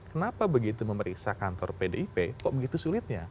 kenapa begitu memeriksa kantor pdip kok begitu sulitnya